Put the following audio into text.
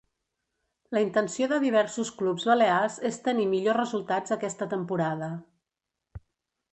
La intenció de diversos clubs balears és tenir millor resultats aquesta temporada.